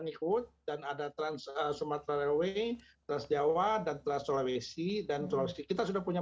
ngikut dan ada trans sumatera airway transjawa dan trans sulawesi dan sulawesi kita sudah punya